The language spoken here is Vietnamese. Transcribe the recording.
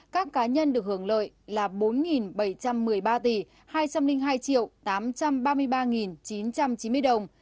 các cá nhân được hưởng lợi là bốn bảy trăm một mươi ba tỷ hai trăm linh hai tám trăm ba mươi ba chín trăm chín mươi đồng